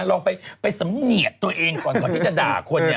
ลองไปสำเนียดตัวเองก่อนก่อนที่จะด่าคนเนี่ย